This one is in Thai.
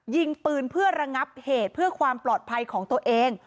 ยิงปืนเพื่อระงับเหตุเพื่อความปลอดภัยของตัวเอง